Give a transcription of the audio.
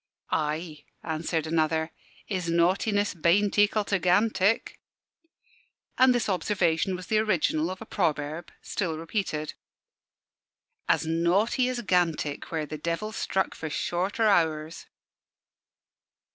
"Ay," answered another, "His Naughtiness bain't ekal to Gantick." And this observation was the original of a proverb, still repeated "As naughty as Gantick, where the Devil struck for shorter hours."